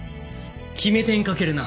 決め手に欠けるな。